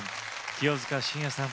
清信也さん